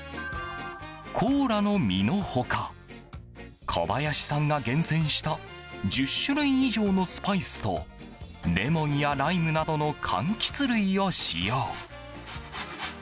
コーラの実の他小林さんが厳選した１０種類以上のスパイスとレモンやライムなどの柑橘類を使用。